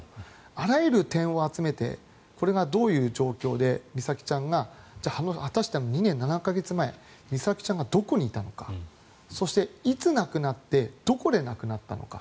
あらゆる点を集めてこれがどういう状況で美咲ちゃんが果たして２年７か月前美咲ちゃんがどこにいたのかそしていつ亡くなってどこで亡くなったのか。